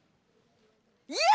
いや！